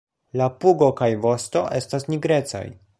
La pugo kaj vosto estas nigrecaj.